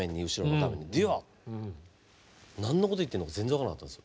何のこと言ってるのか全然分からなかったんですよ。